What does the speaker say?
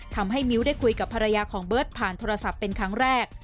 ทำให้มิ้วได้คุยกับภรรยาของเบิร์ตผ่านโทรศัพท์เป็นครั้งแรก